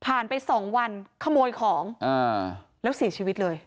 ไปสองวันขโมยของแล้วเสียชีวิตเลย